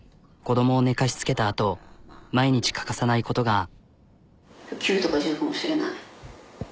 子どもを寝かしつけたあと毎日欠かさないことが。